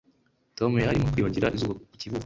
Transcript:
Tom yari arimo kwiyuhagira izuba ku kivuko